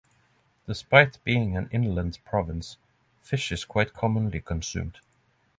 Despite being an inland province, fish is quite commonly consumed.